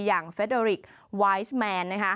อย่างเฟดอริกไวส์แมน